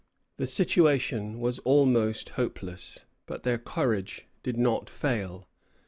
The situation was almost hopeless, but their courage did not fail.